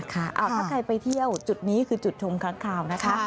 ถ้าใครไปเที่ยวจุดนี้คือจุดชมค้างคาวนะคะ